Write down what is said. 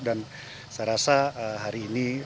dan saya rasa hari ini